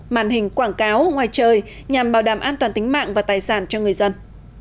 màn hình quảng cáo ngoài trời nhằm bảo đảm an toàn tính mạng và tài sản cho người dân